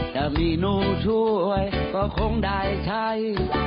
ถ้ามีหนูช่วยก็คงได้ใช้